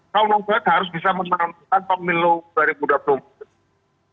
kaum nasional harus bisa menangkan pemilu dari budak budak